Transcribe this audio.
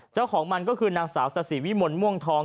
เจ้าของมันก็คือนางสาวสาสิวิมลม่วงทอง